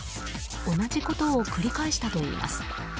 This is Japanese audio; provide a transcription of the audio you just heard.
同じことを繰り返したといいます。